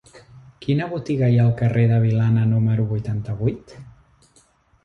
Quina botiga hi ha al carrer de Vilana número vuitanta-vuit?